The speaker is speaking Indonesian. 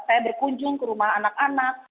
saya berkunjung ke rumah anak anak